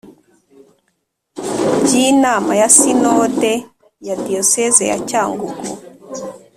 By inama ya sinode ya diyosezi ya cyangugu